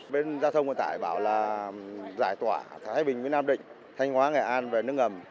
bên giao thông vận tải bảo là giải tỏa thái bình với nam định thanh hóa nghệ an về nước ngầm